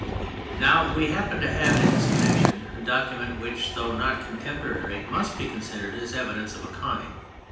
Now we happen to have in this connection a document which, though not contemporary must be considered as evidence of a kind.